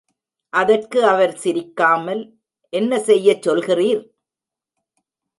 அதற்கு அவர், சிரிக்காமல் என்ன செய்ய சொல்கிறீர்?